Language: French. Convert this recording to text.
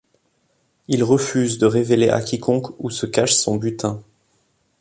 Il refuse de révéler à quiconque où se cache son butin.